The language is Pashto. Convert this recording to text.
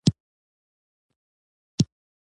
احمده؛ ستا د کار مزه خړه ده.